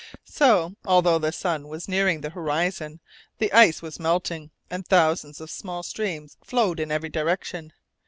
So, although the sun was nearing the horizon, the ice was melting, and thousands of small streams flowed in every direction.